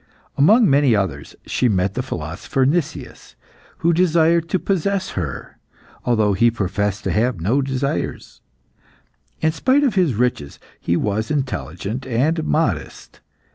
Amongst many others, she met the philosopher Nicias, who desired to possess her, although he professed to have no desires. In spite of his riches, he was intelligent and modest.